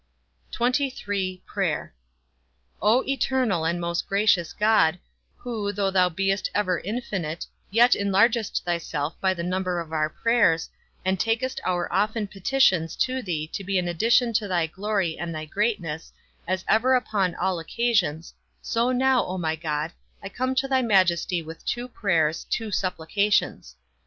XXIII. PRAYER. O eternal and most gracious God, who, though thou beest ever infinite, yet enlargest thyself by the number of our prayers, and takest our often petitions to thee to be an addition to thy glory and thy greatness, as ever upon all occasions, so now, O my God, I come to thy majesty with two prayers, two supplications.